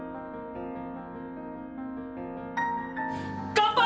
乾杯！